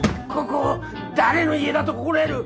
ここを誰の家だと心得る！